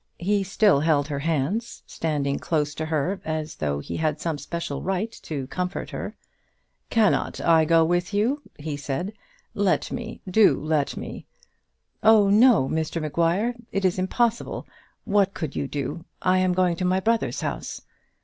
He still held her hands, standing close to her, as though he had some special right to comfort her. "Cannot I go with you?" he said. "Let me; do let me." "Oh, no, Mr Maguire; it is impossible. What could you do? I am going to my brother's house."